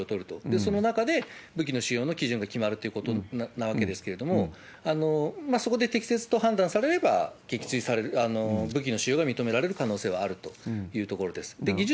その中で、武器の使用の基準が決まるということなわけですけれども、そこで適切と判断されれば、武器の使用が認められる可能性はあるというところです。